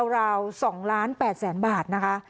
ราว๒ล้าน๘แสนบาทนะคะ